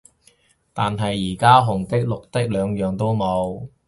但係而家紅的綠的兩樣都冇